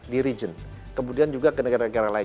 di region kemudian juga ke negara negara lain